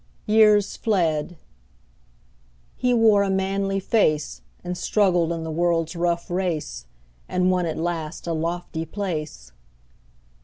Years fled; he wore a manly face, And struggled in the world's rough race, And won at last a lofty place.